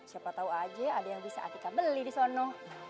siapa tau aja ada yang bisa atika beli disono